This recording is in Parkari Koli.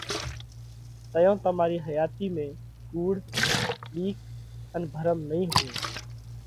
تئيون تمارِي حياتِي ۾ ڪُوڙ، ٻِيڪ ان ڀرم نئين هوئہ،